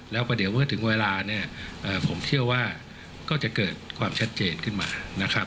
แล้วก็เดี๋ยวเมื่อถึงเวลาเนี่ยผมเชื่อว่าก็จะเกิดความชัดเจนขึ้นมานะครับ